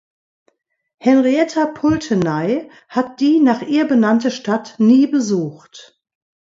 Henrietta Pulteney hat die nach ihr benannte Stadt nie besucht.